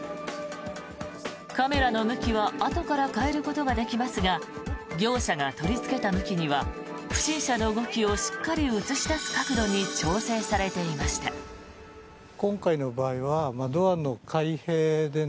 カメラの向きはあとから変えることができますが業者が取りつけた向きには不審者の動きをしっかり映し出す角度に調整されていました。